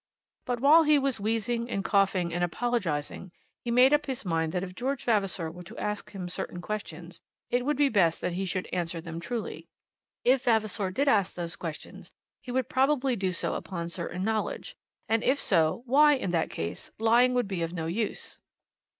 But while he was wheezing, and coughing, and apologizing, he made up his mind that if George Vavasor were to ask him certain questions, it would be best that he should answer them truly. If Vavasor did ask those questions, he would probably do so upon certain knowledge, and if so, why, in that case, lying would be of no use.